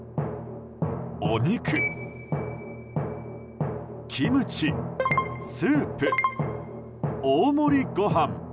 お肉、キムチ、スープ大盛りご飯。